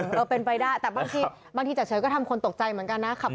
เออเออเป็นไปได้แต่บางทีบางทีจ่ะเฉยก็ทำคนตกใจเหมือนกันนะครับ